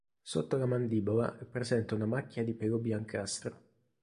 Sotto la mandibola è presente una macchia di pelo biancastro.